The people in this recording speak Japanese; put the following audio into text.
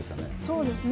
そうですね。